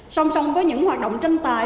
song song với những hoạt động tranh tài